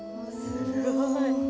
すごい。